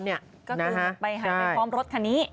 ก็คือไปหายไปพร้อมรถคันนี้